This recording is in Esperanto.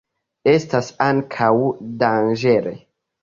Estas ankaŭ danĝere.